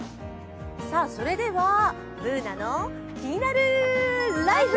それでは、「ＢｏｏｎａのキニナルＬＩＦＥ」。